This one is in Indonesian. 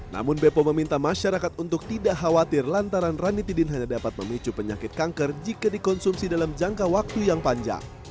namun bepom meminta masyarakat untuk tidak khawatir lantaran ranitidin hanya dapat memicu penyakit kanker jika dikonsumsi dalam jangka waktu yang panjang